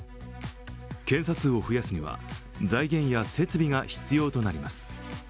検査数を増やすには財源や設備が必要となります。